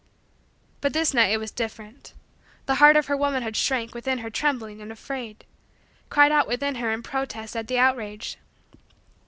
_ But this night it was different. The heart of her womanhood shrank within her trembling and afraid cried out within her in protest at the outrage.